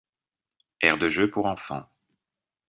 Aire de jeux pour enfants.